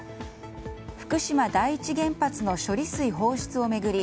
福島第一原発の処理水放出を巡り